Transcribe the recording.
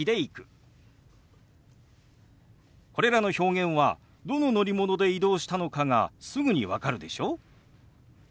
これらの表現はどの乗り物で移動したのかがすぐに分かるでしょ？